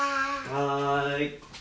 はい。